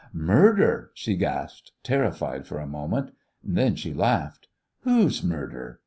"Murder?" she gasped, terrified for a moment. Then she laughed. "Whose murder?"